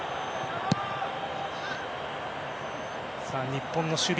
さあ、日本の守備。